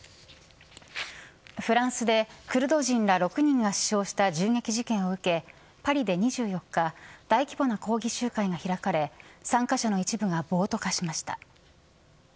フランスでクルド人ら６人が死傷した銃撃事件を受け、パリで２４日大規模な抗議集会が開かれ参加者の一部が暴徒化しました。